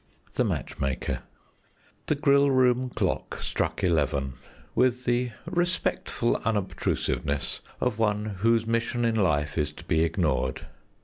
THE MATCH MAKER The grill room clock struck eleven with the respectful unobtrusiveness of one whose mission in life is to be ignored.